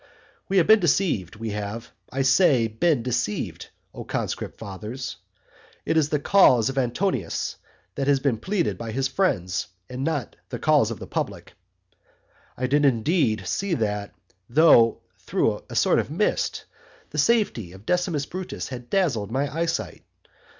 II. We have been deceived, we have, I say, been deceived, O conscript fathers. It is the cause of Antonius that has been pleaded by his friends, and not the cause of the public. And I did indeed see that, though through a sort of mist, the safety of Decimus Brutus had dazzled my eyesight.